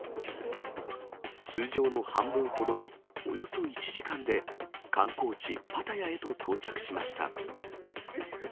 通常の半分ほどのおよそ１時間で観光地、パタヤへと到着しました。